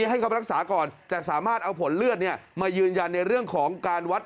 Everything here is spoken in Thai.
เจ้ามาแต่สามารถเอาผลเลือดเนี่ยไม่ยืนยังในเรื่องของการวัตร